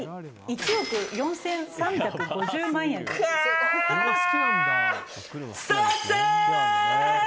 １億４３５０万円です。